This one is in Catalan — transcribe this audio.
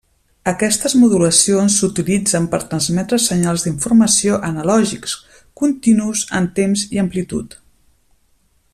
Aquestes modulacions s'utilitzen per transmetre senyals d'informació analògics, continus en temps i amplitud.